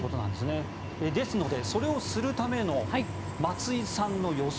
ですのでそれをするための松井さんの予想